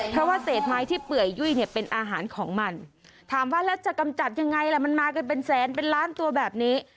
เพราะว่าเศษไม้ที่เปื่อยยุ่ยเนี่ยเป็นอาหารของมันถามว่าแล้วจะกำจัดยังไงล่ะมันมากันเป็นแสนเป็นล้านตัวแบบนี้